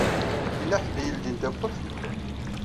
Yella ḥedd i yeldin tawwurt.